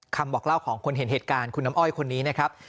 บอกเล่าของคนเห็นเหตุการณ์คุณน้ำอ้อยคนนี้นะครับ